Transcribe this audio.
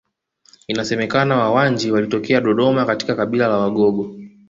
Inasemekana Wawanji walitokea Dodoma katika kabila la Wagogo